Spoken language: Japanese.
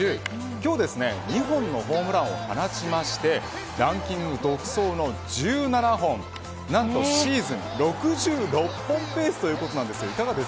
今日、２本のホームランを放ちましてランキング独走の１７本何とシーズン６６本ペースということです。